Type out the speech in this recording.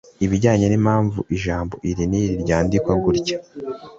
ibijyanye n'impamvu ijambo iri n'iri ryandikwa gutya